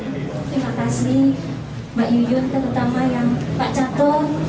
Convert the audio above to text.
terima kasih mbak yuyun terutama yang pak catol